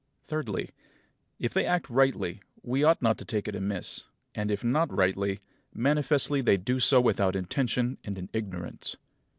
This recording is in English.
Thirdly: If they act rightly, we ought not to take it amiss; and, if not rightly, manifestly they do so without intention and in ignorance.